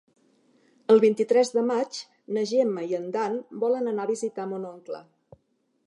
El vint-i-tres de maig na Gemma i en Dan volen anar a visitar mon oncle.